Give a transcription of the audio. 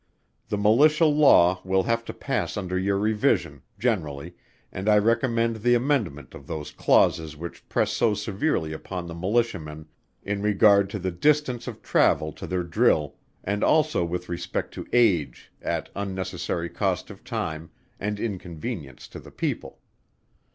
The Militia Law will have to pass under your revision, generally, and I recommend the amendment of those clauses which press so severely upon the Militiamen in regard to the distance of travel to their drill, and also with respect to age, at unnecessary cost of time, and inconvenience to the people.